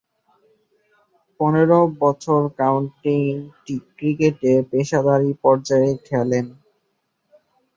পনেরো বছর কাউন্টি ক্রিকেটে পেশাদারী পর্যায়ে খেলেন।